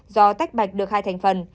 do tách bạch được hai thành phần